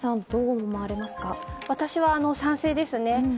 私は賛成ですね。